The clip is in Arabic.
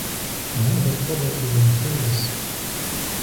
هذا الطبق ممتاز.